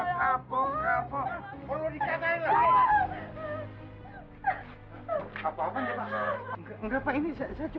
tidak ada yang tahu ya